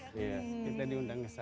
kita diundang ke sana